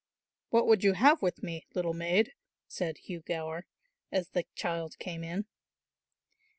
"What would you have with me, little maid?" said Hugh Gower, as the child came in.